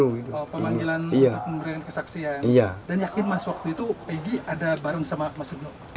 pemanggilan untuk memberikan kesaksian dan yakin mas waktu itu egy ada bareng sama mas ibnu